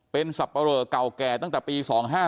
เป็นสับปะเรอเก่าแก่ตั้งแต่ปี๒๕๕